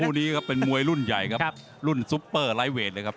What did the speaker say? คู่นี้ก็เป็นมวยรุ่นใหญ่ครับรุ่นซูปเปอร์ไร้เวทครับ